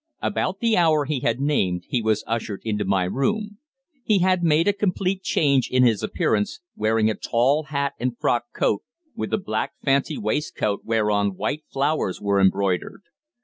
About the hour he had named he was ushered into my room. He had made a complete change in his appearance, wearing a tall hat and frock coat, with a black fancy waistcoat whereon white flowers were embroidered.